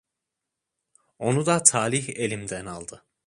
Onu da talih elimden aldı.